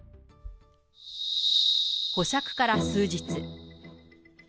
保釈から数日。